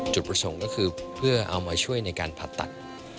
จุดประสงค์ก็คือเพื่อเอามาช่วยในการผ่าตัด